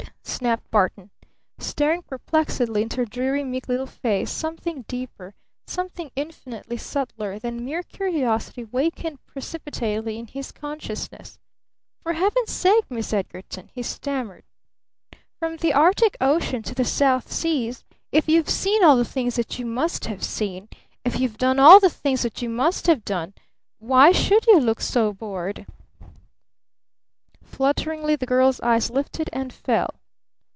snapped Barton. Staring perplexedly into her dreary, meek little face, something deeper, something infinitely subtler than mere curiosity, wakened precipitately in his consciousness. "For Heaven's sake, Miss Edgarton!" he stammered. "From the Arctic Ocean to the South Seas, if you've seen all the things that you must have seen, if you've done all the things that you must have done WHY SHOULD YOU LOOK SO BORED?" Flutteringly the girl's eyes lifted and fell.